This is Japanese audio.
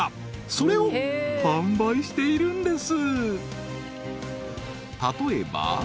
それを販売しているんです